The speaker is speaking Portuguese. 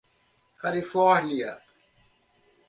Califórnia